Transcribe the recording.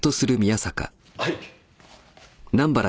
はい。